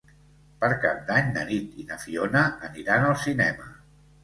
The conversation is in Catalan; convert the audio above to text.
Per Cap d'Any na Nit i na Fiona aniran al cinema.